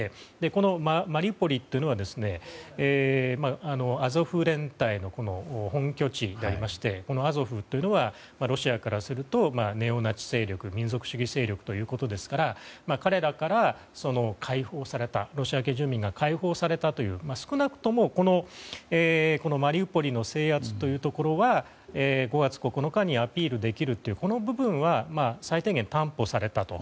このマリウポリというのはアゾフ連隊の本拠地でありましてアゾフは、ロシアからするとネオナチ勢力ということですから彼らからロシア系住民が解放されたという少なくとも、マリウポリの制圧というところは５月９日にアピールできるというこの部分は最低限、担保されたと。